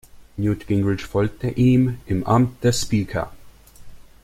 Newt Gingrich folgte ihm im Amt des "Speaker".